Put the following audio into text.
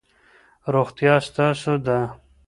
روغتیا ستاسو ده.